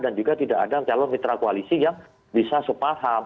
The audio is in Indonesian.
dan juga tidak ada calon mitra koalisi yang bisa sepaham